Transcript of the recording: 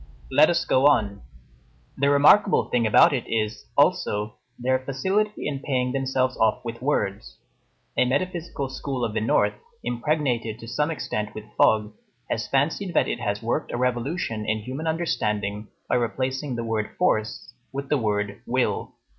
Let us go on. The remarkable thing about it is, also, their facility in paying themselves off with words. A metaphysical school of the North, impregnated to some extent with fog, has fancied that it has worked a revolution in human understanding by replacing the word Force with the word Will.